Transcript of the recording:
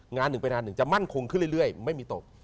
งานหนึ่งเป็นงานหนึ่งจะมั่นคงขึ้นเรื่อยไม่มีตก